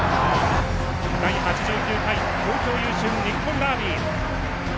第８９回東京優駿日本ダービー。